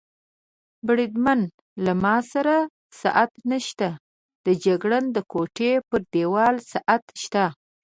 بریدمنه، له ما سره ساعت نشته، د جګړن د کوټې پر دېوال ساعت شته.